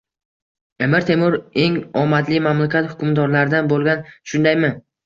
Amir Temur eng omadli mamlakat hukmdorlaridan boʻlgan, shundaymi?